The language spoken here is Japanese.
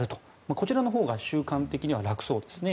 こちらのほうが習慣的には楽そうですね。